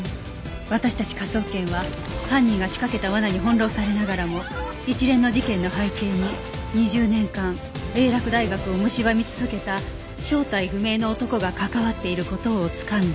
私たち科捜研は犯人が仕掛けた罠に翻弄されながらも一連の事件の背景に２０年間英洛大学を蝕み続けた正体不明の男が関わっている事をつかんだ